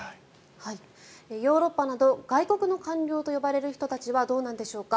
ヨーロッパなど外国の、官僚と呼ばれる人たちはどうなんでしょうか？